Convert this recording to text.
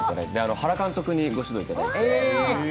原監督にご指導いただいて。